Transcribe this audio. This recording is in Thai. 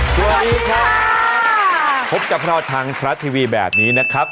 สวัสดีครับพบกับเราทางทรัฐทีวีแบบนี้นะครับ